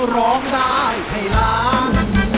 ร้องได้ให้ล้าน